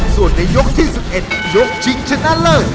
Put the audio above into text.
ส่วนในยกที่๑๑ยกชิงชนะเลิศ